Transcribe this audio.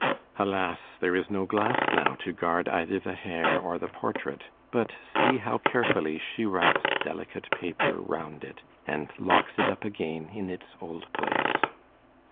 Alas! there is no glass now to guard either the hair or the portrait; but see how carefully she wraps delicate paper round it, and locks it up again in its old place.